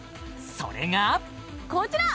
それがこちら！